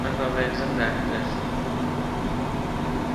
আমার বাবা একজন ডাক্তার।